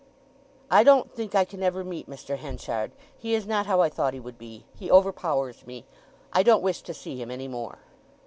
"I don't think I can ever meet Mr. Henchard. He is not how I thought he would be—he overpowers me! I don't wish to see him any more."